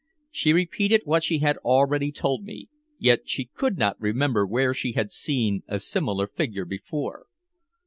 She repeated what she had already told me, yet she could not remember where she had seen a similar figure before.